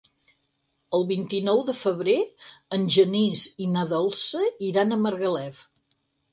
El vint-i-nou de febrer en Genís i na Dolça iran a Margalef.